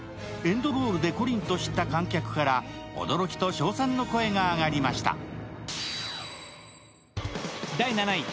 エンドロールでコリンと知った観客から驚きと称賛の声が上がりました。